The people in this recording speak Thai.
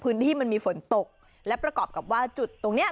พื้นที่มันมีฝนตกและประกอบกับว่าจุดตรงเนี้ย